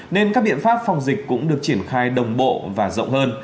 nên các biện pháp phòng dịch cũng được triển khai đồng bộ và rộng hơn